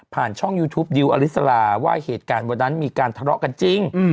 ช่องยูทูปดิวอลิสลาว่าเหตุการณ์วันนั้นมีการทะเลาะกันจริง